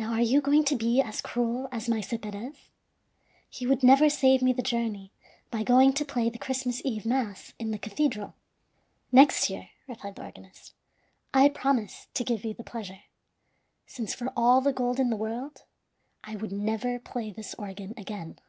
Now, are you going to be as cruel as Maese Perez? He would never save me the journey, by going to play the Christmas Eve mass in the cathedral." "Next year," replied the organist, "I promise to give you the pleasure; since, for all the gold in the world, I would never play this organ again."